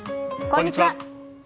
こんにちは。